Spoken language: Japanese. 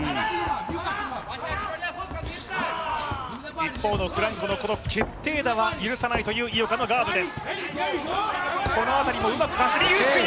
一方のフランコの決定打は許さないという井岡のガードです。